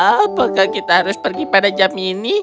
apakah kita harus pergi pada jam ini